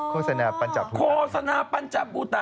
โฆษณาปัญจับพุทธ